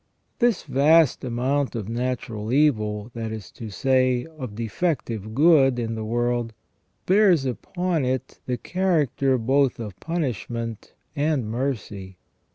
This vast amount of natural evil, that is to say, of defective good in the world, bears upon it the character both of punishment and mercy.